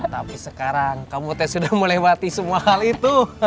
tapi sekarang kamu teh sudah melewati semua hal itu